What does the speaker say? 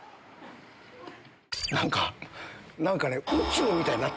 ・何か何かね。